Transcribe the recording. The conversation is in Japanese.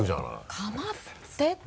かまってって。